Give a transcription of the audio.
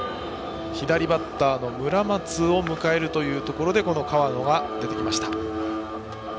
左バッターの村松を迎えるというところで河野が出てきました。